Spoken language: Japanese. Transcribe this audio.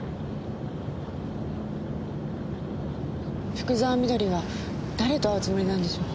福沢美登里は誰と会うつもりなんでしょう？